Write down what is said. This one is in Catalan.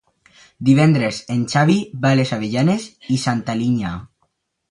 Divendres en Xavi va a les Avellanes i Santa Linya.